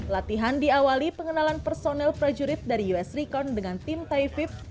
latihan diawali pengenalan personel prajurit dari us recorn dengan tim taifib